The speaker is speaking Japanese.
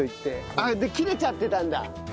あっで切れちゃってたんだ？